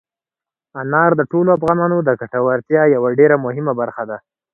انار د ټولو افغانانو د ګټورتیا یوه ډېره مهمه برخه ده.